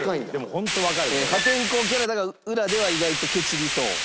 破天荒キャラだが裏では意外とケチりそう。